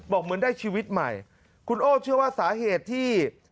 เหมือนได้ชีวิตใหม่คุณโอ้เชื่อว่าสาเหตุที่